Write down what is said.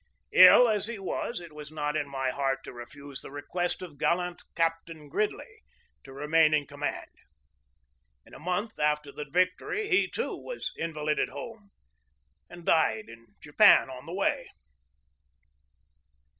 Ill as he was, it was not in my heart to refuse the request of gallant Captain Gridley to remain in com mand. In a month after the victory he, too, was invalided home and died in Japan on the way.